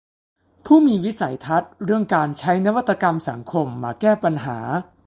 ผู้มีวิสัยทัศน์เรื่องการใช้นวัตกรรมสังคมมาแก้ปัญหา